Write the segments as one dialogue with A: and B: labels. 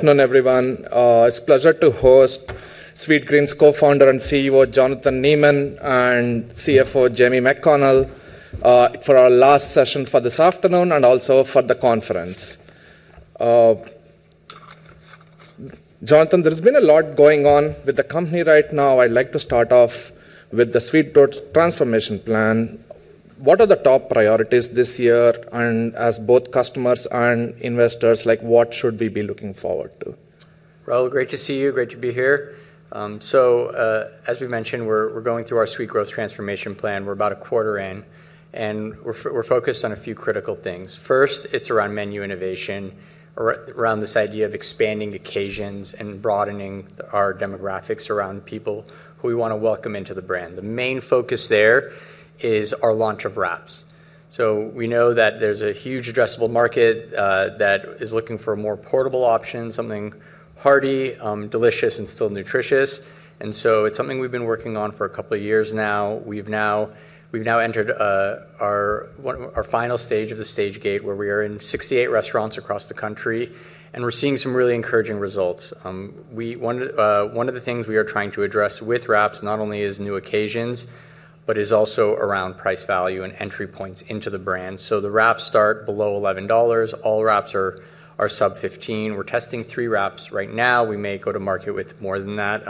A: Afternoon, everyone. It's a pleasure to host Sweetgreen's Co-Founder and CEO, Jonathan Neman, and CFO, Jamie McConnell, for our last session for this afternoon and also for the conference. Jonathan, there's been a lot going on with the company right now. I'd like to start off with the Sweet Growth Transformation Plan. What are the top priorities this year? As both customers and investors, like, what should we be looking forward to?
B: Rahul, great to see you. Great to be here. As we mentioned, we're going through our Sweet Growth Transformation Plan. We're about a quarter in, and we're focused on a few critical things. First, it's around menu innovation, around this idea of expanding occasions and broadening our demographics around people who we wanna welcome into the brand. The main focus there is our launch of wraps. We know that there's a huge addressable market that is looking for a more portable option, something hearty, delicious, and still nutritious. It's something we've been working on for a couple of years now. We've now entered our final stage of the stage gate, where we are in 68 restaurants across the country, and we're seeing some really encouraging results. One of the things we are trying to address with wraps not only is new occasions, but is also around price value and entry points into the brand. The wraps start below $11. All wraps are sub $15. We're testing three wraps right now. We may go to market with more than that.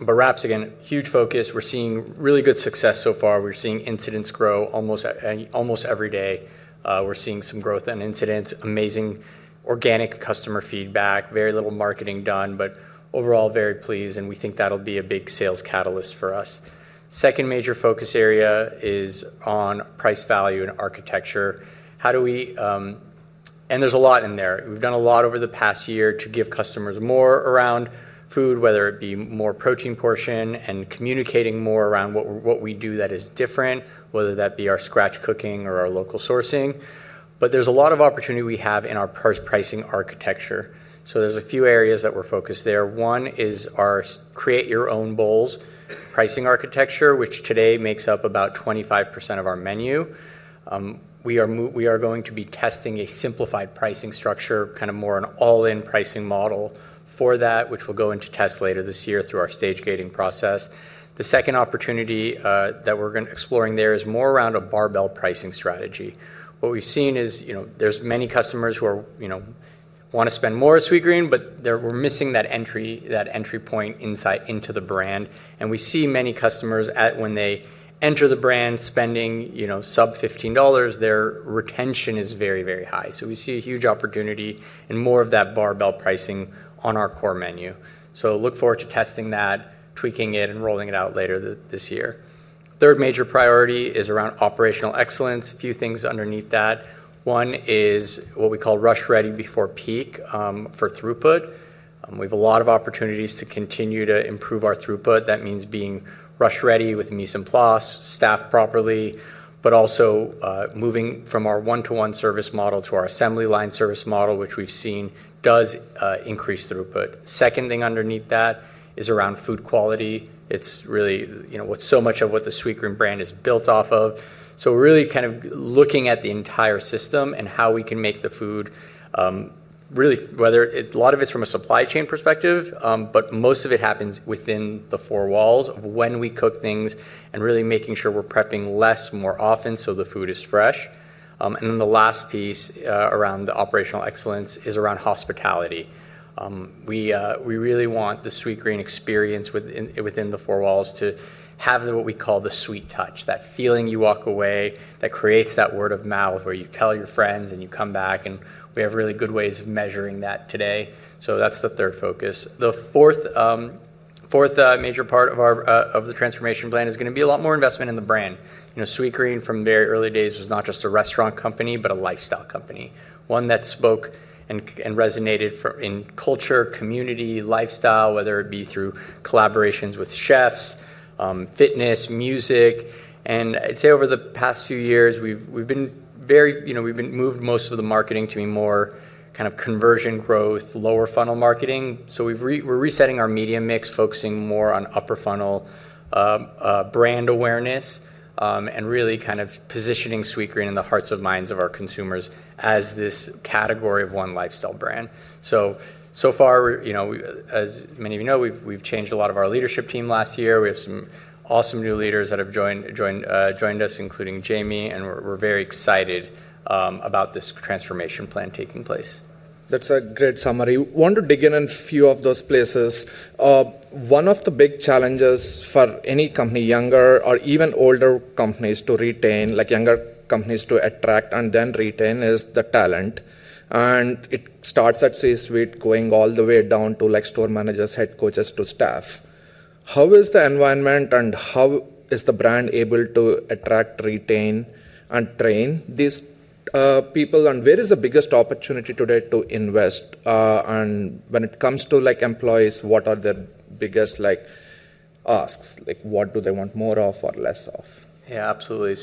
B: Wraps, again, huge focus. We're seeing really good success so far. We're seeing incidents grow almost every day. We're seeing some growth and incidents, amazing organic customer feedback, very little marketing done, but overall, very pleased, and we think that'll be a big sales catalyst for us. Second major focus area is on price value and architecture. How do we. There's a lot in there. We've done a lot over the past year to give customers more around food, whether it be more protein portion and communicating more around what we're, what we do that is different, whether that be our scratch cooking or our local sourcing. There's a lot of opportunity we have in our pricing architecture. There's a few areas that we're focused there. One is our create your own bowls pricing architecture, which today makes up about 25% of our menu. We are going to be testing a simplified pricing structure, kinda more an all-in pricing model for that, which we'll go into test later this year through our stage gating process. The second opportunity that we're exploring there is more around a barbell pricing strategy. What we've seen is, you know, there's many customers who are, you know, wanna spend more at Sweetgreen, but we're missing that entry point insight into the brand. We see many customers when they enter the brand spending, you know, sub $15, their retention is very, very high. We see a huge opportunity and more of that barbell pricing on our core menu. Look forward to testing that, tweaking it, and rolling it out later this year. Third major priority is around operational excellence. A few things underneath that. One is what we call rush ready before peak for throughput. We've a lot of opportunities to continue to improve our throughput. That means being rush ready with mise en place, staffed properly, but also moving from our one-to-one service model to our assembly line service model, which we've seen does increase throughput. Second thing underneath that is around food quality. It's really, you know, so much of what the Sweetgreen brand is built off of. So we're really kind of looking at the entire system and how we can make the food really, a lot of it's from a supply chain perspective, but most of it happens within the four walls when we cook things and really making sure we're prepping less, more often, so the food is fresh. The last piece around the operational excellence is around hospitality. We really want the Sweetgreen experience within the four walls to have what we call the sweet touch, that feeling you walk away that creates that word of mouth, where you tell your friends, and you come back, and we have really good ways of measuring that today. That's the third focus. The fourth major part of our transformation plan is gonna be a lot more investment in the brand. You know, Sweetgreen from very early days was not just a restaurant company, but a lifestyle company, one that spoke and resonated in culture, community, lifestyle, whether it be through collaborations with chefs, fitness, music. I'd say over the past few years, we've been very, you know, moved most of the marketing to be more kind of conversion growth, lower funnel marketing. We're resetting our media mix, focusing more on upper funnel, brand awareness, and really kind of positioning Sweetgreen in the hearts and minds of our consumers as this category of one lifestyle brand. So far, you know, as many of you know, we've changed a lot of our leadership team last year. We have some awesome new leaders that have joined us, including Jamie, and we're very excited about this transformation plan taking place.
A: That's a great summary. Want to dig in on a few of those places. One of the big challenges for any company, younger or even older, to attract and then retain, is the talent. It starts at C-suite, going all the way down to like store managers, head coaches, to staff. How is the environment, and how is the brand able to attract, retain, and train these people? Where is the biggest opportunity today to invest? When it comes to like employees, what are the biggest like asks? Like, what do they want more of or less of?
B: Yeah, absolutely.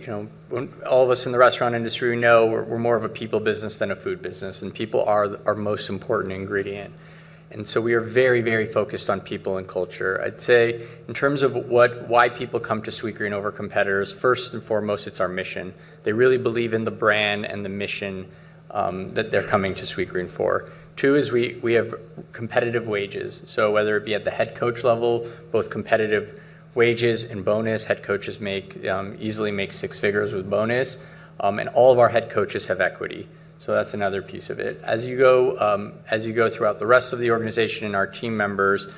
B: You know, when all of us in the restaurant industry, we know we're more of a people business than a food business, and people are our most important ingredient. We are very, very focused on people and culture. I'd say in terms of why people come to Sweetgreen over competitors, first and foremost, it's our mission. They really believe in the brand and the mission that they're coming to Sweetgreen for. Two is we have competitive wages. Whether it be at the head coach level, both competitive wages and bonus head coaches make easily six figures with bonus. And all of our head coaches have equity. That's another piece of it. As you go throughout the rest of the organization and our team members,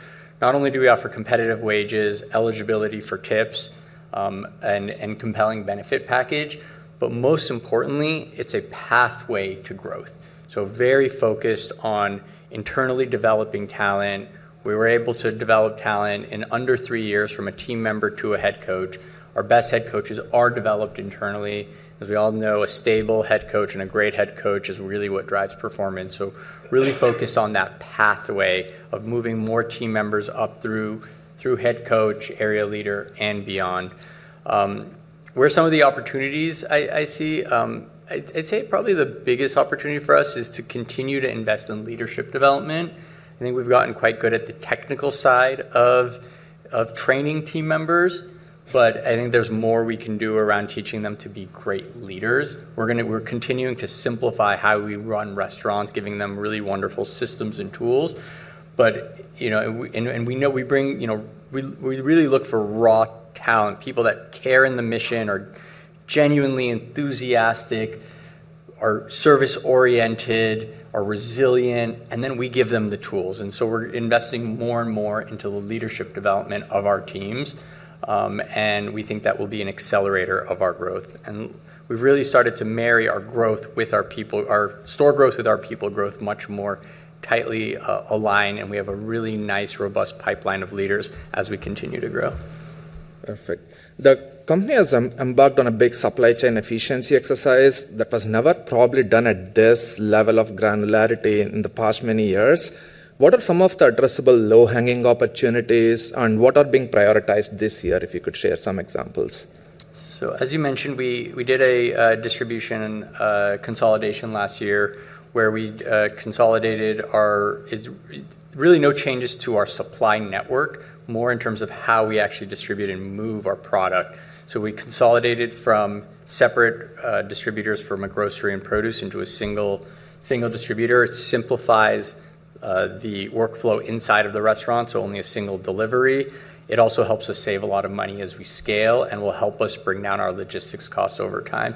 B: not only do we offer competitive wages, eligibility for tips, and compelling benefit package, but most importantly, it's a pathway to growth. Very focused on internally developing talent. We were able to develop talent in under three years from a team member to a head coach. Our best head coaches are developed internally. As we all know, a stable head coach and a great head coach is really what drives performance. Really focused on that pathway of moving more team members up through head coach, area leader, and beyond. Where some of the opportunities I see, I'd say probably the biggest opportunity for us is to continue to invest in leadership development. I think we've gotten quite good at the technical side of training team members, but I think there's more we can do around teaching them to be great leaders. We're continuing to simplify how we run restaurants, giving them really wonderful systems and tools. You know, we know we bring, you know, we really look for raw talent, people that care about the mission, are genuinely enthusiastic, are service-oriented, are resilient, and then we give them the tools. We're investing more and more into the leadership development of our teams, and we think that will be an accelerator of our growth. We've really started to marry our growth with our people, our store growth with our people growth much more tightly aligned, and we have a really nice, robust pipeline of leaders as we continue to grow.
A: Perfect. The company has embarked on a big supply chain efficiency exercise that was never probably done at this level of granularity in the past many years. What are some of the addressable low-hanging opportunities, and what are being prioritized this year, if you could share some examples?
B: As you mentioned, we did a distribution consolidation last year where we consolidated our. It's really no changes to our supply network, more in terms of how we actually distribute and move our product. We consolidated from separate distributors from a grocery and produce into a single distributor. It simplifies the workflow inside of the restaurant, so only a single delivery. It also helps us save a lot of money as we scale and will help us bring down our logistics costs over time.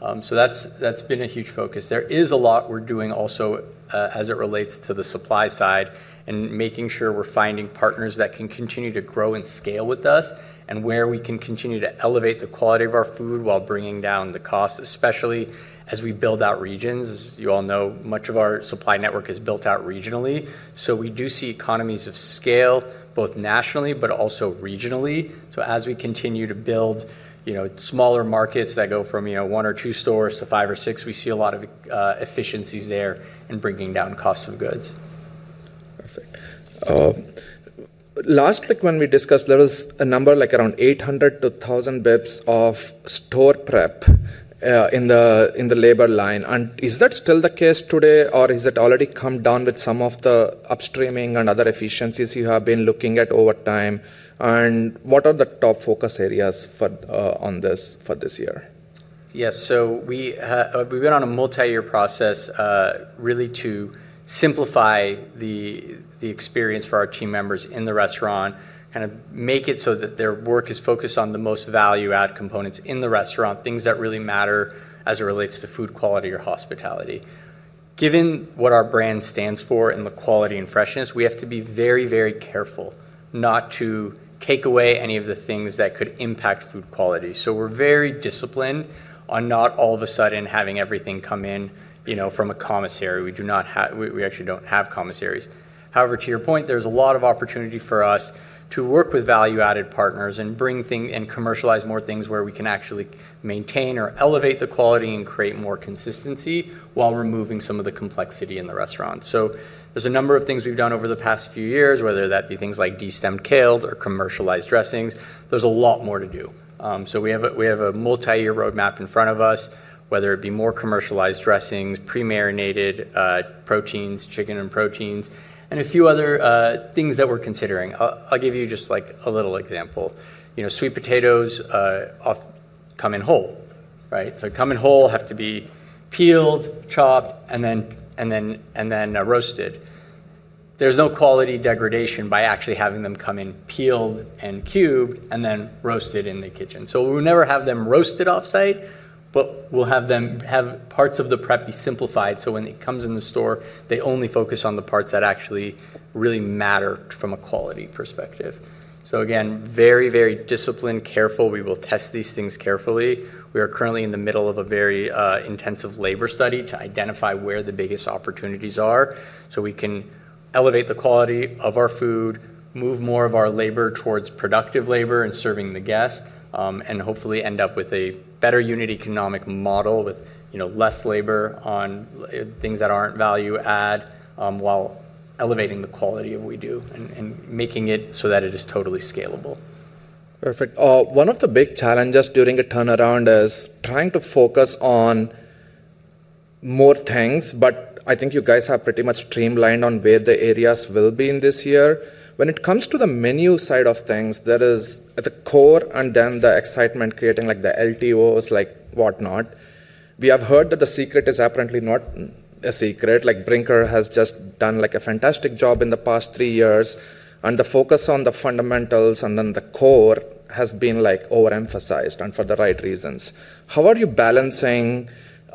B: That's been a huge focus. There is a lot we're doing also, as it relates to the supply side and making sure we're finding partners that can continue to grow and scale with us and where we can continue to elevate the quality of our food while bringing down the cost, especially as we build out regions. As you all know, much of our supply network is built out regionally. We do see economies of scale both nationally but also regionally. As we continue to build, you know, smaller markets that go from, you know, one or two stores to five or six, we see a lot of efficiencies there in bringing down costs of goods.
A: Perfect. Last week when we discussed, there was a number like around 800-1,000 basis points of store prep in the labor line. Is that still the case today, or is it already come down with some of the upstreaming and other efficiencies you have been looking at over time? What are the top focus areas for on this for this year?
B: Yes. We've been on a multi-year process really to simplify the experience for our team members in the restaurant, kind of make it so that their work is focused on the most value add components in the restaurant, things that really matter as it relates to food quality or hospitality. Given what our brand stands for and the quality and freshness, we have to be very, very careful not to take away any of the things that could impact food quality. We're very disciplined on not all of a sudden having everything come in, you know, from a commissary. We actually don't have commissaries. However, to your point, there's a lot of opportunity for us to work with value-added partners and bring and commercialize more things where we can actually maintain or elevate the quality and create more consistency while removing some of the complexity in the restaurant. So there's a number of things we've done over the past few years, whether that be things like de-stemmed kale or commercialized dressings. There's a lot more to do. So we have a multi-year roadmap in front of us, whether it be more commercialized dressings, pre-marinated proteins, chicken and proteins, and a few other things that we're considering. I'll give you just, like, a little example. You know, sweet potatoes come in whole, right? So come in whole, have to be peeled, chopped, and then roasted. There's no quality degradation by actually having them come in peeled and cubed and then roasted in the kitchen. We'll never have them roasted off-site, but we'll have them have parts of the prep be simplified, so when it comes in the store, they only focus on the parts that actually really matter from a quality perspective. Again, very, very disciplined, careful. We will test these things carefully. We are currently in the middle of a very intensive labor study to identify where the biggest opportunities are, so we can elevate the quality of our food, move more of our labor towards productive labor and serving the guest, and hopefully end up with a better unit economic model with, you know, less labor on things that aren't value add, while elevating the quality of what we do and making it so that it is totally scalable.
A: Perfect. One of the big challenges during a turnaround is trying to focus on more things, but I think you guys have pretty much streamlined on where the areas will be in this year. When it comes to the menu side of things, that is at the core and then the excitement creating like the LTOs, like whatnot. We have heard that the secret is apparently not a secret. Like Brinker has just done like a fantastic job in the past three years, and the focus on the fundamentals and then the core has been like overemphasized and for the right reasons. How are you balancing,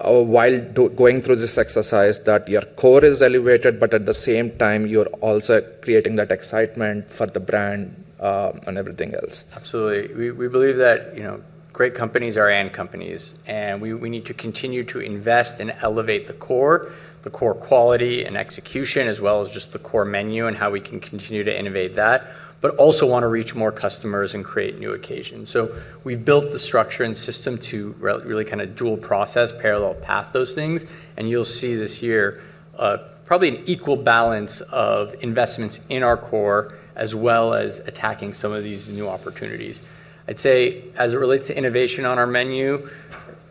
A: while going through this exercise that your core is elevated, but at the same time you're also creating that excitement for the brand, and everything else?
B: Absolutely. We believe that, you know, great companies are great companies, and we need to continue to invest and elevate the core quality and execution, as well as just the core menu and how we can continue to innovate that, but also wanna reach more customers and create new occasions. We've built the structure and system to really kinda dual process, parallel path those things. You'll see this year, probably an equal balance of investments in our core as well as attacking some of these new opportunities. I'd say as it relates to innovation on our menu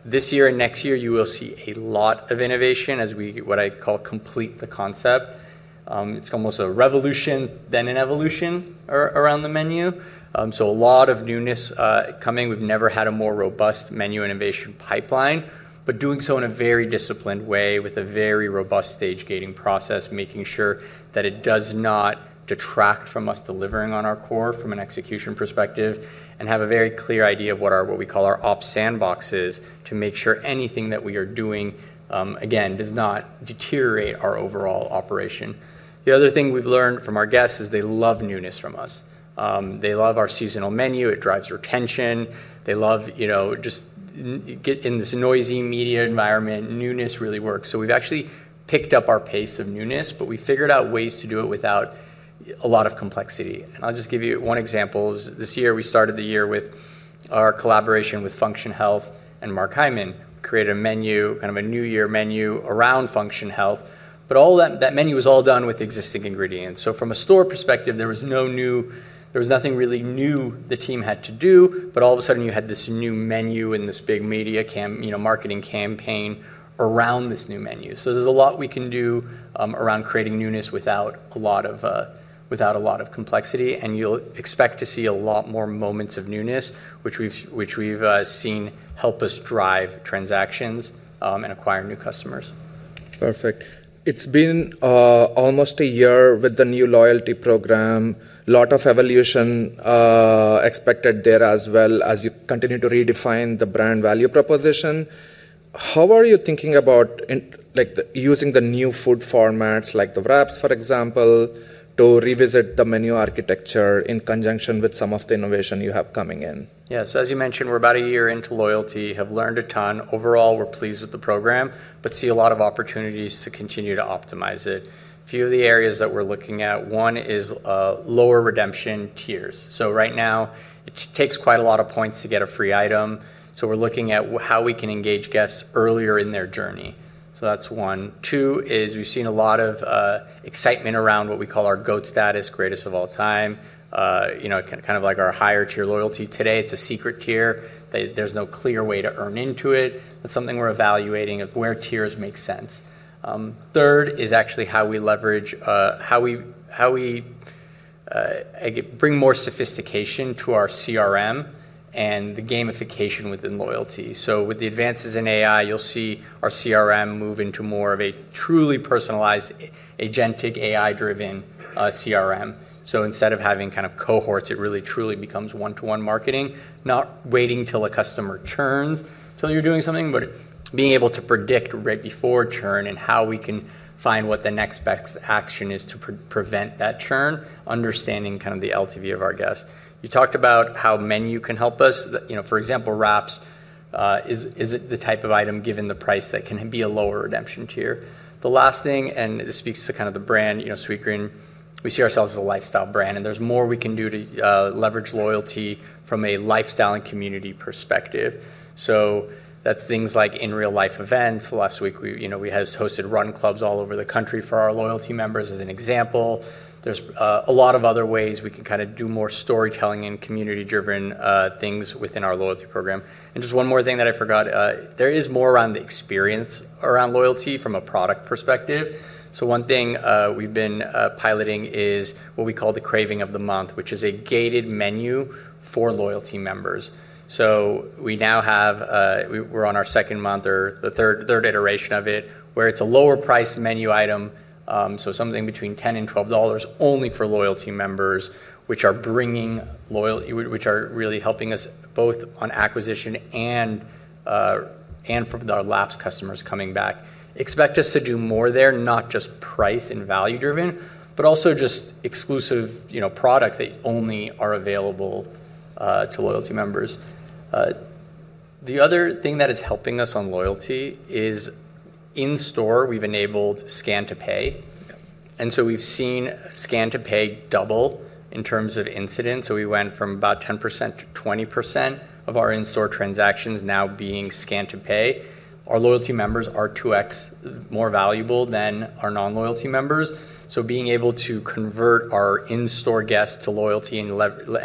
B: this year and next year, you will see a lot of innovation as we, what I call complete the concept. It's almost a revolution then an evolution around the menu. A lot of newness coming. We've never had a more robust menu innovation pipeline, but doing so in a very disciplined way with a very robust stage gating process, making sure that it does not detract from us delivering on our core from an execution perspective, and have a very clear idea of what we call our ops sandbox is to make sure anything that we are doing, again, does not deteriorate our overall operation. The other thing we've learned from our guests is they love newness from us. They love our seasonal menu. It drives retention. They love, you know, just getting in this noisy media environment, newness really works. We've actually picked up our pace of newness, but we figured out ways to do it without a lot of complexity. I'll just give you one example is this year we started the year with our collaboration with Function Health and Mark Hyman created a menu, kind of a new year menu around Function Health. All that menu was all done with existing ingredients. From a store perspective, there was nothing really new the team had to do, but all of a sudden you had this new menu and this big media campaign, you know, marketing campaign around this new menu. There's a lot we can do around creating newness without a lot of complexity. You'll expect to see a lot more moments of newness, which we've seen help us drive transactions and acquire new customers.
A: Perfect. It's been almost a year with the new loyalty program. A lot of evolution expected there as well as you continue to redefine the brand value proposition. How are you thinking about like using the new food formats like the wraps, for example, to revisit the menu architecture in conjunction with some of the innovation you have coming in?
B: Yeah. As you mentioned, we're about a year into loyalty, have learned a ton. Overall, we're pleased with the program, but see a lot of opportunities to continue to optimize it. Few of the areas that we're looking at, one is lower redemption tiers. So right now it takes quite a lot of points to get a free item, so we're looking at how we can engage guests earlier in their journey. So that's one. Two is we've seen a lot of excitement around what we call our GOAT status, Greatest Of All Time. You know, kind of like our higher tier loyalty today. It's a secret tier. There's no clear way to earn into it. That's something we're evaluating of where tiers make sense. Third is actually how we leverage, how we bring more sophistication to our CRM and the gamification within loyalty. With the advances in AI, you'll see our CRM move into more of a truly personalized agentic AI driven CRM. Instead of having kind of cohorts, it really truly becomes one-to-one marketing, not waiting till a customer churns till you're doing something, but being able to predict right before churn and how we can find what the next best action is to prevent that churn, understanding kind of the LTV of our guests. You talked about how menu can help us. You know, for example, wraps, is it the type of item given the price that can be a lower redemption tier? The last thing, and this speaks to kind of the brand, you know, Sweetgreen, we see ourselves as a lifestyle brand, and there's more we can do to leverage loyalty from a lifestyle and community perspective. That's things like in real life events. Last week we, you know, we hosted run clubs all over the country for our loyalty members as an example. There's a lot of other ways we can kinda do more storytelling and community driven things within our loyalty program. Just one more thing that I forgot, there is more around the experience around loyalty from a product perspective. One thing we've been piloting is what we call the Craving of the Month, which is a gated menu for loyalty members. We're on our second month or the third iteration of it, where it's a lower priced menu item, so something between $10 and $12 only for loyalty members, which are really helping us both on acquisition and from our lapsed customers coming back. Expect us to do more there, not just price and value driven, but also just exclusive, you know, products that only are available to loyalty members. The other thing that is helping us on loyalty is in-store we've enabled scan to pay, and we've seen scan to pay double in terms of incidents. We went from about 10%-20% of our in-store transactions now being scan to pay. Our loyalty members are 2x more valuable than our non-loyalty members. Being able to convert our in-store guests to loyalty and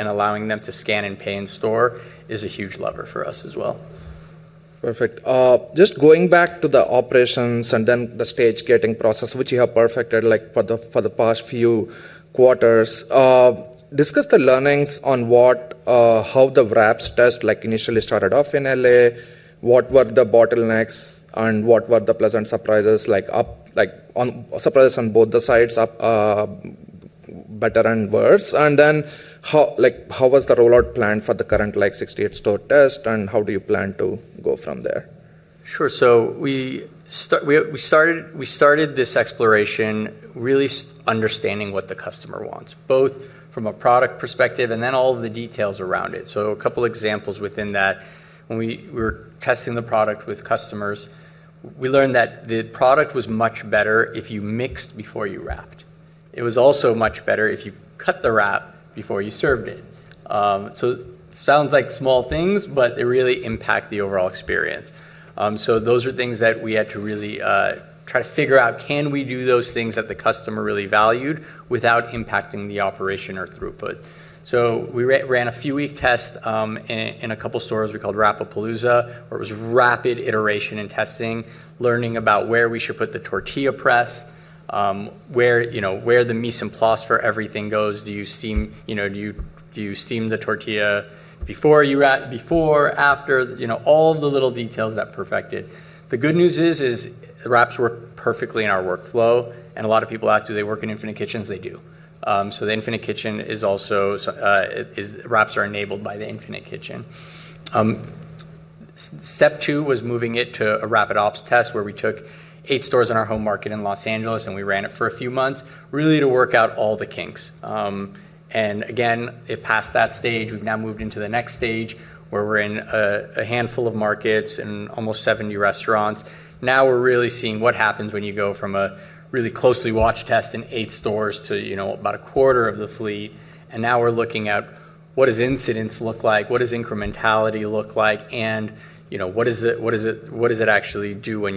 B: allowing them to scan and pay in store is a huge lever for us as well.
A: Perfect. Just going back to the operations and then the stage gating process, which you have perfected, like for the past few quarters. Discuss the learnings on what, how the wraps test like initially started off in L.A., what were the bottlenecks and what were the pleasant surprises on both the sides, better and worse? Then how, like how was the rollout planned for the current like 68 store test, and how do you plan to go from there?
B: Sure. We started this exploration really understanding what the customer wants, both from a product perspective and then all of the details around it. A couple examples within that. When we were testing the product with customers, we learned that the product was much better if you mixed before you wrapped. It was also much better if you cut the wrap before you served it. Sounds like small things, but they really impact the overall experience. Those are things that we had to really try to figure out, can we do those things that the customer really valued without impacting the operation or throughput? We ran a few week tests in a couple stores we called Wrapapalooza, where it was rapid iteration and testing, learning about where we should put the tortilla press, where, you know, where the mise en place for everything goes. Do you steam, you know, the tortilla before you wrap? Before, after? You know, all the little details that perfect it. The good news is wraps work perfectly in our workflow, and a lot of people ask, "Do they work in Infinite Kitchens?" They do. The Infinite Kitchen is also, wraps are enabled by the Infinite Kitchen. Step two was moving it to a rapid ops test where we took eight stores in our home market in Los Angeles, and we ran it for a few months, really to work out all the kinks. Again, it passed that stage. We've now moved into the next stage where we're in a handful of markets and almost 70 restaurants. Now we're really seeing what happens when you go from a really closely watched test in eight stores to about a quarter of the fleet. Now we're looking at what does incidence look like, what does incrementality look like and what does it actually do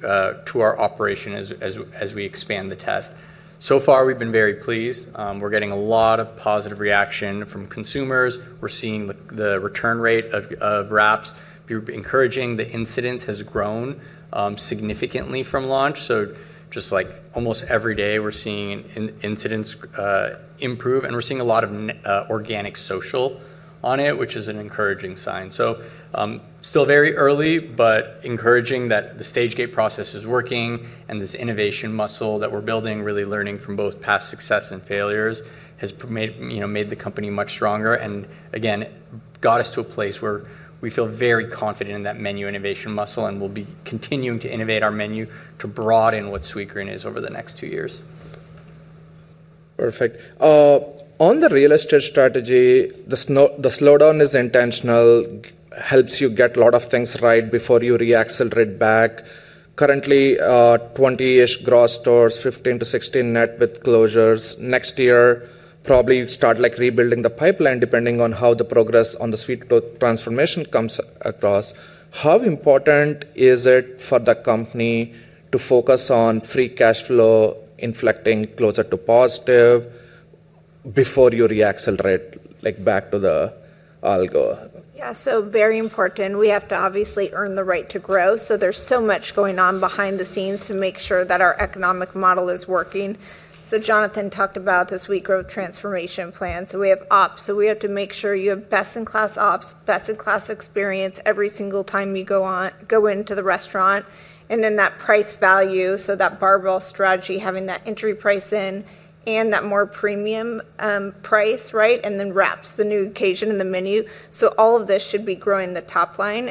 B: to our operation as we expand the test. So far we've been very pleased. We're getting a lot of positive reaction from consumers. We're seeing the return rate of wraps be encouraging. The incidence has grown significantly from launch. Just like almost every day, we're seeing incidence improve and we're seeing a lot of organic social on it, which is an encouraging sign. Still very early, but encouraging that the stage gate process is working and this innovation muscle that we're building, really learning from both past success and failures has, you know, made the company much stronger. Again, got us to a place where we feel very confident in that menu innovation muscle and we'll be continuing to innovate our menu to broaden what Sweetgreen is over the next two years.
A: Perfect. On the real estate strategy, the slowdown is intentional, helps you get a lot of things right before you reaccelerate back. Currently, 20-ish gross stores, 15-16 net with closures. Next year, probably you'd start like rebuilding the pipeline depending on how the progress on the Sweet Growth transformation comes across. How important is it for the company to focus on free cash flow inflecting closer to positive before you reaccelerate like back to the algo?
C: Yeah. Very important. We have to obviously earn the right to grow. There's so much going on behind the scenes to make sure that our economic model is working. Jonathan talked about the Sweet Growth Transformation Plan. We have ops. We have to make sure you have best in class ops, best in class experience every single time you go into the restaurant. Then that price value, so that barbell strategy, having that entry price in and that more premium price, right? Then wraps the new occasion in the menu. All of this should be growing the top line.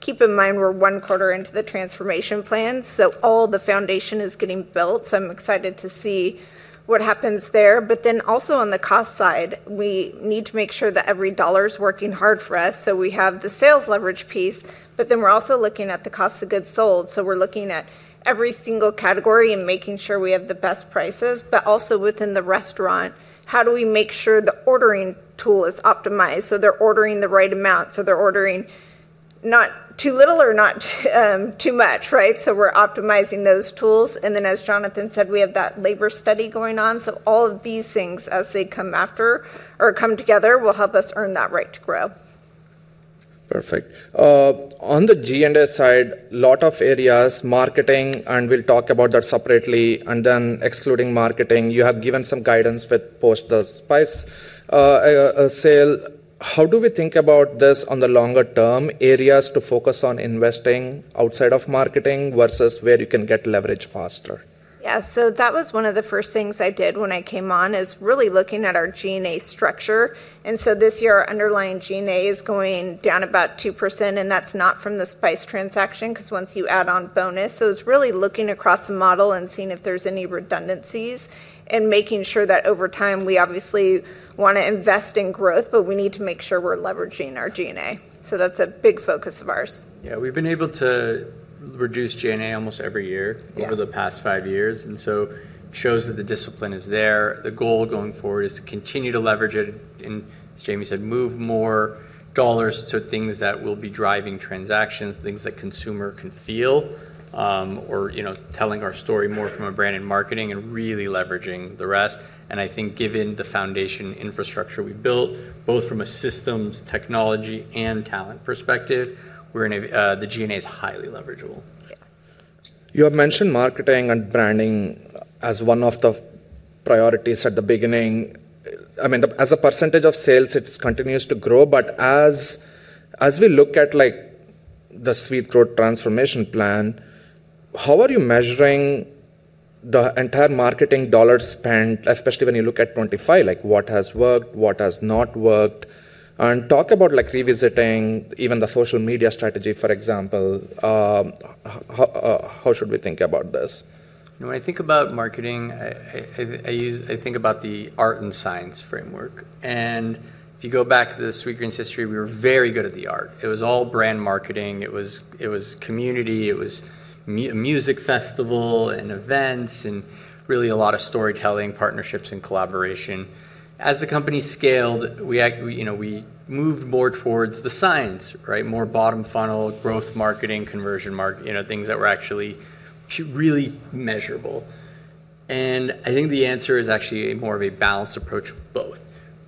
C: Keep in mind, we're one quarter into the transformation plan, so all the foundation is getting built, so I'm excited to see what happens there. Also on the cost side, we need to make sure that every dollar is working hard for us. We have the sales leverage piece, but then we're also looking at the cost of goods sold. We're looking at every single category and making sure we have the best prices. Within the restaurant, how do we make sure the ordering tool is optimized so they're ordering the right amount, so they're ordering not too little or not too much, right? We're optimizing those tools. As Jonathan said, we have that labor study going on. All of these things as they come after or come together will help us earn that right to grow.
A: Perfect. On the G&A side, lot of areas, marketing, and we'll talk about that separately. Excluding marketing, you have given some guidance with post the Spyce sale. How do we think about this on the longer term, areas to focus on investing outside of marketing versus where you can get leverage faster?
C: Yeah. That was one of the first things I did when I came on, is really looking at our G&A structure. This year, our underlying G&A is going down about 2%, and that's not from the Spyce transaction, 'cause once you add on bonus. It's really looking across the model and seeing if there's any redundancies and making sure that over time, we obviously wanna invest in growth, but we need to make sure we're leveraging our G&A. That's a big focus of ours.
B: Yeah. We've been able to reduce G&A almost every year.
C: Yeah
B: Over the past five years, and so it shows that the discipline is there. The goal going forward is to continue to leverage it and, as Jamie said, move more dollars to things that will be driving transactions, things that consumers can feel, or, you know, telling our story more from a brand and marketing and really leveraging the rest. I think given the foundation infrastructure we've built, both from a systems, technology, and talent perspective, the G&A is highly leverageable.
A: You have mentioned marketing and branding as one of the priorities at the beginning. I mean, as a percentage of sales, it's continues to grow. But as we look at like the Sweet Growth Transformation Plan, how are you measuring the entire marketing dollar spend, especially when you look at 2025? Like, what has worked, what has not worked? Talk about like revisiting even the social media strategy, for example, how should we think about this?
B: You know, when I think about marketing, I think about the art and science framework. If you go back to Sweetgreen's history, we were very good at the art. It was all brand marketing. It was community. It was music festival and events, and really a lot of storytelling, partnerships, and collaboration. As the company scaled, you know, we moved more towards the science, right? More bottom funnel, growth marketing, conversion marketing, you know, things that were actually really measurable. I think the answer is actually more of a balanced approach of both.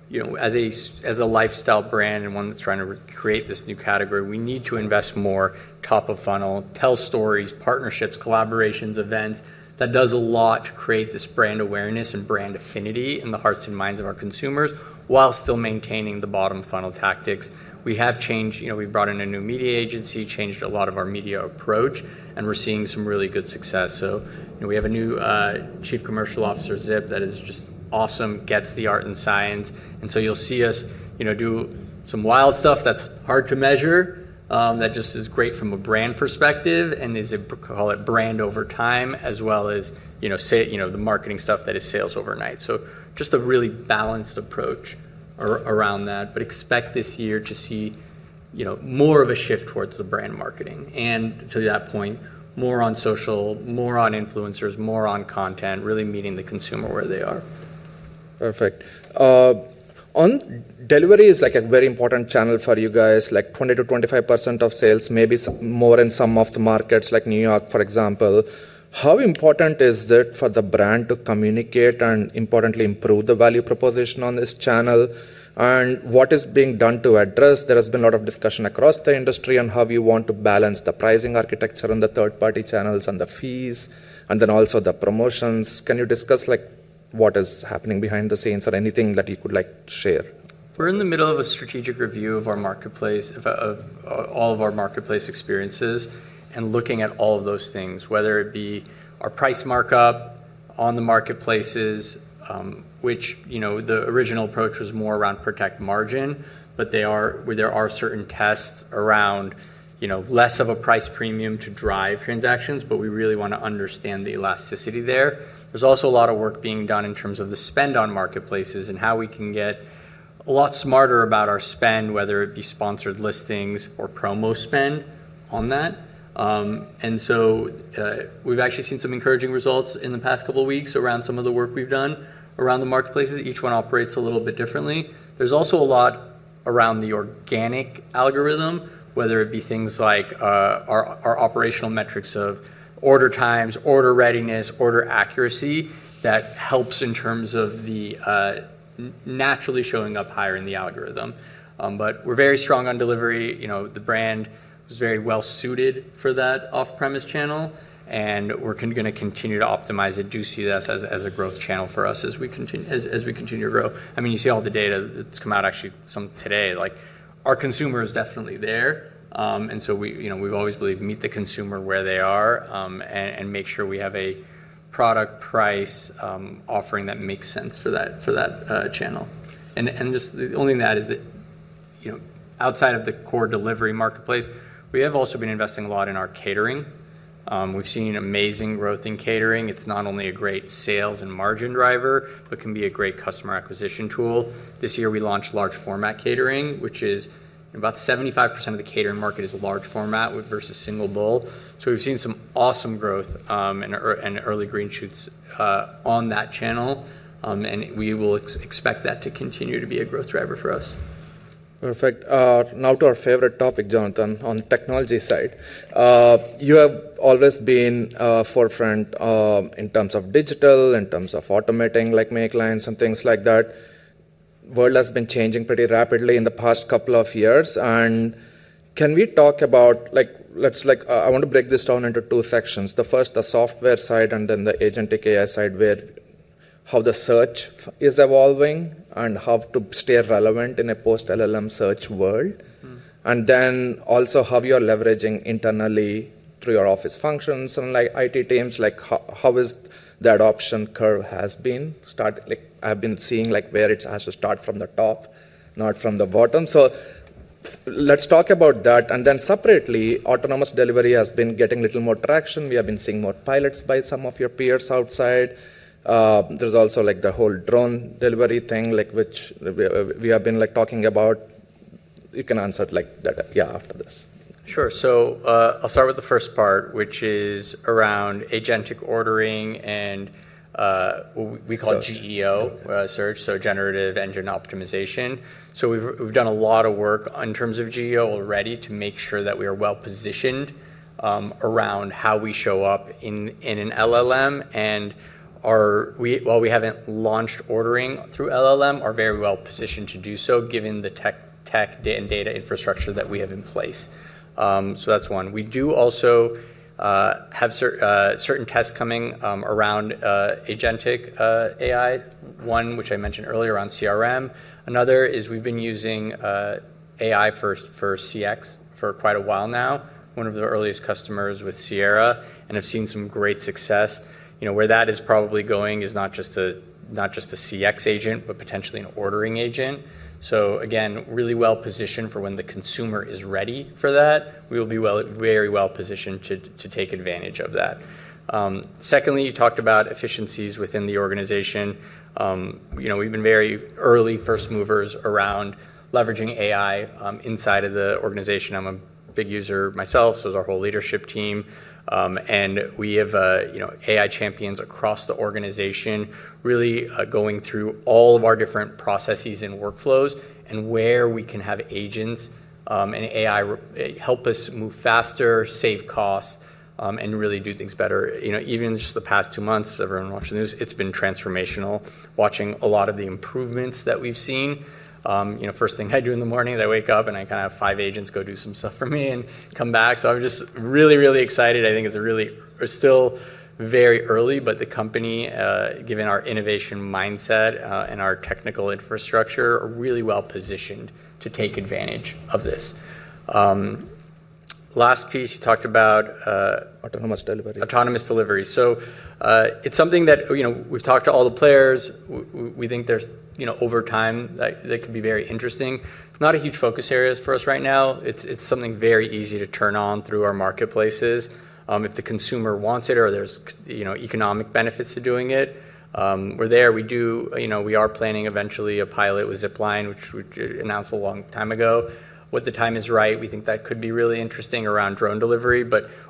B: You know, as a lifestyle brand and one that's trying to re-create this new category, we need to invest more top of funnel, tell stories, partnerships, collaborations, events. That does a lot to create this brand awareness and brand affinity in the hearts and minds of our consumers, while still maintaining the bottom funnel tactics. We have changed, you know, we've brought in a new media agency, changed a lot of our media approach, and we're seeing some really good success. You know, we have a new Chief Commercial Officer, Zip, that is just awesome, gets the art and science. You'll see us, you know, do some wild stuff that's hard to measure, that just is great from a brand perspective and is a, call it brand over time, as well as, you know, the marketing stuff that is sales overnight. Just a really balanced approach around that. Expect this year to see, you know, more of a shift towards the brand marketing. To that point, more on social, more on influencers, more on content, really meeting the consumer where they are.
A: Perfect. On delivery is like a very important channel for you guys, like 20%-25% of sales, maybe more in some of the markets like New York, for example. How important is it for the brand to communicate and importantly improve the value proposition on this channel? What is being done to address? There has been a lot of discussion across the industry on how you want to balance the pricing architecture on the third-party channels and the fees, and then also the promotions. Can you discuss like what is happening behind the scenes or anything that you could like share?
B: We're in the middle of a strategic review of our marketplace, all of our marketplace experiences and looking at all of those things, whether it be our price markup on the marketplaces, which, you know, the original approach was more around protect margin. There are certain tests around, you know, less of a price premium to drive transactions, but we really wanna understand the elasticity there. There's also a lot of work being done in terms of the spend on marketplaces and how we can get a lot smarter about our spend, whether it be sponsored listings or promo spend on that. We've actually seen some encouraging results in the past couple weeks around some of the work we've done around the marketplaces. Each one operates a little bit differently. There's also a lot around the organic algorithm, whether it be things like our operational metrics of order times, order readiness, order accuracy, that helps in terms of the naturally showing up higher in the algorithm. We're very strong on delivery. The brand is very well suited for that off-premise channel, and we're gonna continue to optimize it, do see this as a growth channel for us as we continue to grow. You see all the data that's come out actually some today, like our consumer is definitely there. We've always believed meet the consumer where they are and make sure we have a product price offering that makes sense for that channel. Just the only thing that is that, you know, outside of the core delivery marketplace, we have also been investing a lot in our catering. We've seen amazing growth in catering. It's not only a great sales and margin driver, but can be a great customer acquisition tool. This year, we launched large format catering, which is about 75% of the catering market is large format with versus single bowl. We've seen some awesome growth and early green shoots on that channel. We will expect that to continue to be a growth driver for us.
A: Perfect. Now to our favorite topic, Jonathan, on technology side. You have always been forefront in terms of digital, in terms of automating like make lines and things like that. World has been changing pretty rapidly in the past couple of years, and can we talk about, I want to break this down into two sections. The first, the software side, and then the agentic AI side, where how the search is evolving and how to stay relevant in a post-LLM search world.
B: Mm-hmm.
A: how you're leveraging internally through your office functions and like IT teams, like how has that adoption curve been? So, like I've been seeing like where it has to start from the top, not from the bottom. Let's talk about that. Separately, autonomous delivery has been getting a little more traction. We have been seeing more pilots by some of your peers outside. There's also like the whole drone delivery thing like which we have been like talking about. You can answer it like that, yeah, after this.
B: Sure. I'll start with the first part, which is around agentic ordering and we call it GEO search, so Generative Engine Optimization. We've done a lot of work in terms of GEO already to make sure that we are well-positioned around how we show up in an LLM and while we haven't launched ordering through LLM, are very well-positioned to do so given the tech data infrastructure that we have in place. That's one. We do also have certain tests coming around agentic AI, one which I mentioned earlier on CRM. Another is we've been using AI first for CX for quite a while now, one of the earliest customers with Sierra, and have seen some great success. You know, where that is probably going is not just a CX agent, but potentially an ordering agent. Again, really well-positioned for when the consumer is ready for that. We will be very well-positioned to take advantage of that. Secondly, you talked about efficiencies within the organization. You know, we've been very early first movers around leveraging AI inside of the organization. I'm a big user myself, so is our whole leadership team. We have, you know, AI champions across the organization really going through all of our different processes and workflows and where we can have agents, and AI help us move faster, save costs, and really do things better. You know, even just the past two months, everyone watching the news, it's been transformational watching a lot of the improvements that we've seen. You know, first thing I do in the morning is I wake up, and I kinda have five agents go do some stuff for me and come back. I'm just really excited. I think it's really. We're still very early, but the company, given our innovation mindset, and our technical infrastructure, are really well-positioned to take advantage of this. Last piece, you talked about.
A: Autonomous delivery
B: Autonomous delivery. It's something that, you know, we've talked to all the players. We think there's, you know, over time, that could be very interesting. It's not a huge focus areas for us right now. It's something very easy to turn on through our marketplaces, if the consumer wants it or there's, you know, economic benefits to doing it. We're there. We do, you know, we are planning eventually a pilot with Zipline, which we announced a long time ago. When the time is right, we think that could be really interesting around drone delivery.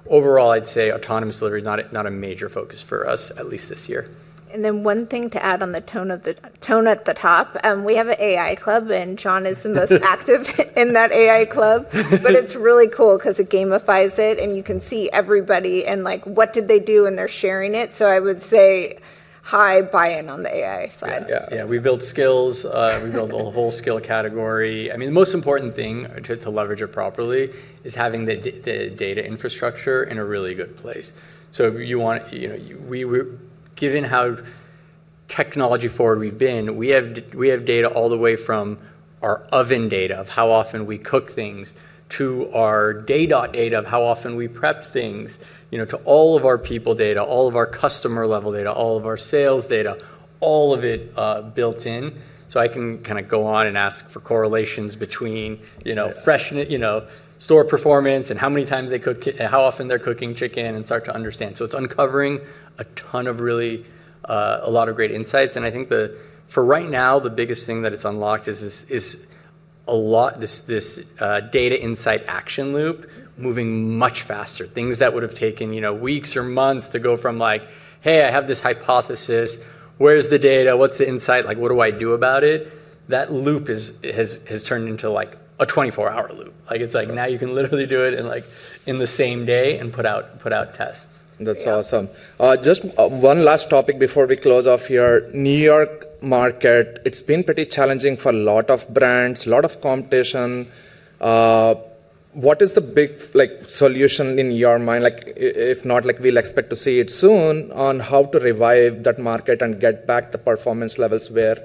B: Overall, I'd say autonomous delivery is not a major focus for us, at least this year.
C: One thing to add on the tone at the top, we have an AI club, and Jon is the most active in that AI club. But it's really cool 'cause it gamifies it, and you can see everybody and, like, what did they do, and they're sharing it. I would say high buy-in on the AI side.
B: Yeah. Yeah, we build skills. We build a whole skill category. I mean, the most important thing to leverage it properly is having the data infrastructure in a really good place. You want, you know, given how technology forward we've been, we have data all the way from our oven data of how often we cook things to our data of how often we prep things, you know, to all of our people data, all of our customer-level data, all of our sales data, all of it, built in. I can kinda go on and ask for correlations between, you know, freshness, you know, store performance and how often they're cooking chicken and start to understand. It's uncovering a ton of really, a lot of great insights. I think for right now, the biggest thing that it's unlocked is this data insight action loop moving much faster. Things that would have taken, you know, weeks or months to go from like, "Hey, I have this hypothesis. Where's the data? What's the insight? Like, what do I do about it?" That loop has turned into like a 24-hour loop. Like, it's like now you can literally do it in like, in the same day and put out tests.
A: That's awesome. Just, one last topic before we close off here. New York market, it's been pretty challenging for a lot of brands, a lot of competition. What is the big, like, solution in your mind, like, if not like, we'll expect to see it soon on how to revive that market and get back the performance levels where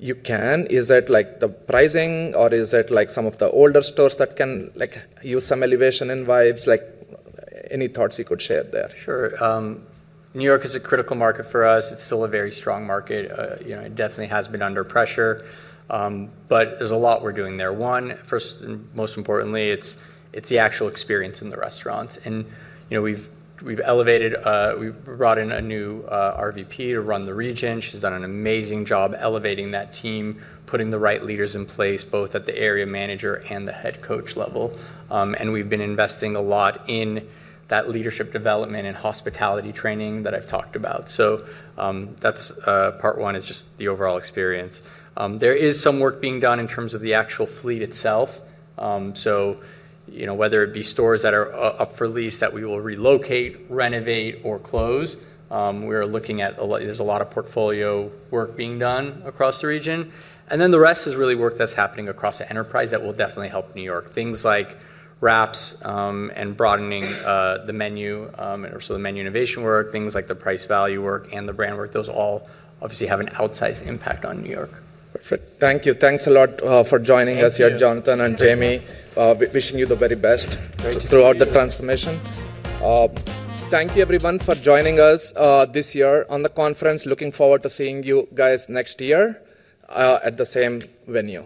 A: you can? Is it like the pricing, or is it like some of the older stores that can, like, use some elevation in vibes? Like, any thoughts you could share there?
B: Sure. New York is a critical market for us. It's still a very strong market. You know, it definitely has been under pressure, but there's a lot we're doing there. One, first and most importantly, it's the actual experience in the restaurants. You know, we've elevated. We've brought in a new RVP to run the region. She's done an amazing job elevating that team, putting the right leaders in place, both at the area manager and the head coach level. We've been investing a lot in that leadership development and hospitality training that I've talked about. That's part one is just the overall experience. There is some work being done in terms of the actual fleet itself. You know, whether it be stores that are up for lease that we will relocate, renovate, or close, we are looking at a lot of portfolio work being done across the region. Then the rest is really work that's happening across the enterprise that will definitely help New York. Things like wraps and broadening the menu or so the menu innovation work, things like the price-value work and the brand work. Those all obviously have an outsized impact on New York.
A: Perfect. Thank you. Thanks a lot for joining us here.
B: Thank you.
A: Jonathan and Jamie. Wishing you the very best.
B: Great to see you.
A: Throughout the transformation. Thank you everyone for joining us, this year on the conference. Looking forward to seeing you guys next year, at the same venue.